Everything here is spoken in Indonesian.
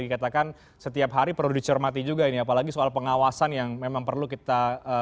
dikatakan setiap hari perlu dicermati juga ini apalagi soal pengawasan yang memang perlu kita